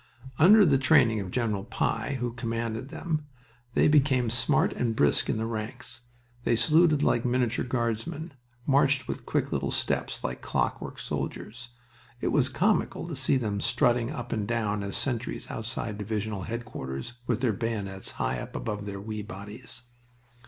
Under the training of General Pi, who commanded them, they became smart and brisk in the ranks. They saluted like miniature Guardsmen, marched with quick little steps like clockwork soldiers. It was comical to see them strutting up and down as sentries outside divisional headquarters, with their bayonets high above their wee bodies.